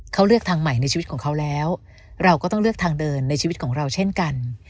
เขาเลือกทางใหม่ในชีวิตของเขาแล้วเราก็ต้องเลือกทางเดินในชีวิตของเราเช่นกัน